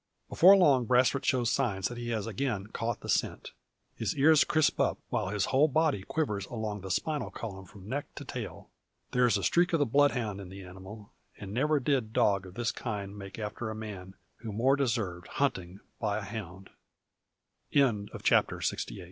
Before long, Brasfort shows signs that he has again caught scent. His ears crisp up, while his whole body quivers along the spinal column from neck to tail. There is a streak of the bloodhound in the animal; and never did dog of this kind make after a man, who more deserved hunting by a hound. CHAPTER SIXTY NINE.